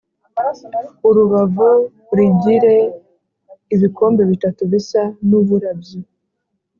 Urubavu rigire ibikombe bitatu bisa n’uburabyo